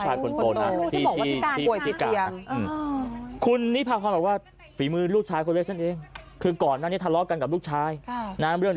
อันนี้ลูกชายอันนี้ลูกชายคุณโต